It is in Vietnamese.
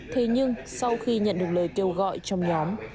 thế nhưng sau khi nhận được lời kêu gọi trong nhóm